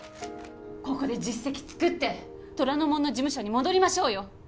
ここで実績つくって虎ノ門の事務所に戻りましょうよ